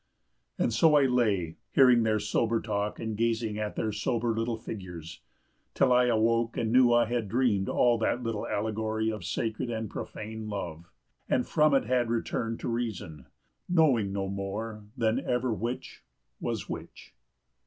And so I lay, hearing their sober talk and gazing at their sober little figures, till I awoke and knew I had dreamed all that little allegory of sacred and profane love, and from it had returned to reason, knowing no more than ever which was which.